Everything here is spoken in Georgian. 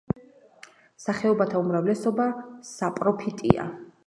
სახეობათა უმრავლესობა საპროფიტია.